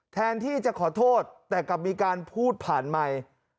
แทนที่จะขอโทษแต่กลับมีการพูดผ่านไมค์